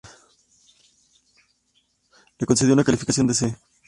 Le concedió una calificación de C-.